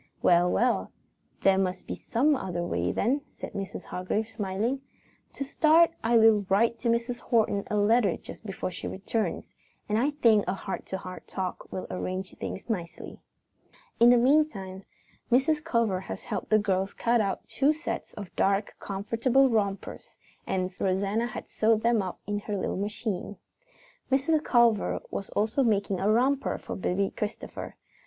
"Well, well, there must be some other way then," said Mrs. Hargrave, smiling. "To start, I will write Mrs. Horton a letter just before she returns, and I think a heart to heart talk will arrange things nicely." In the meantime, Mrs. Culver had helped the girls cut out two sets of dark, comfortable rompers, and Rosanna had sewed them up on her little machine. Mrs. Culver was also making a romper for Baby Christopher.